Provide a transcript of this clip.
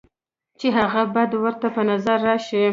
چې هغه بد ورته پۀ نظر راشي،